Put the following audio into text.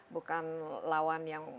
bukan lawan yang